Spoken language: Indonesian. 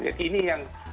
jadi ini yang